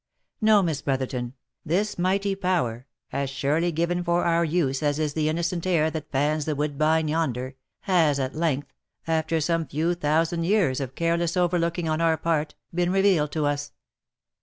No, Miss Bro therton, this mighty power, as surely given for our use as is the innocent air that fans the woodbine yonder, has at length, after some few thousand years of careless overlooking on our part, been revealed to us.